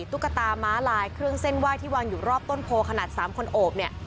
ตุ๊กตาม้าลายเครื่องเส้นไหว้ที่วางอยู่รอบต้นโพขนาด๓คนโอบเนี่ย